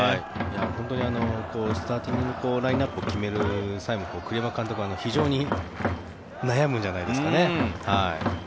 本当にスターティングのラインアップを決める際も栗山監督も非常に悩むんじゃないですかね。